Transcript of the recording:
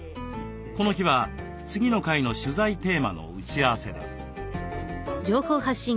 この日は次の回の取材テーマの打ち合わせです。